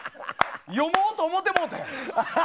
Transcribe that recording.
読もうと思うてもうたやん！